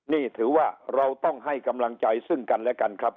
นี่ถือว่าเราต้องให้กำลังใจซึ่งกันและกันครับ